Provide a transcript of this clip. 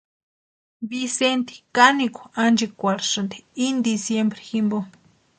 Vicenti kanikwa anchekurhesïnti ini diciembre jimpo.